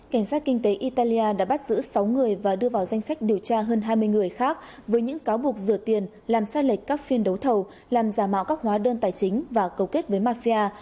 cảnh sát kinh tế italia đã bắt giữ sáu người và đưa vào danh sách điều tra hơn hai mươi người khác với những cáo buộc rửa tiền làm sai lệch các phiên đấu thầu làm giả mạo các hóa đơn tài chính và cầu kết với mafia